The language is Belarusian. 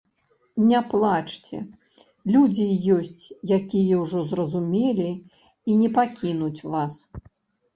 Не плачце, людзі ёсць, якія ўжо зразумелі і не пакінуць вас.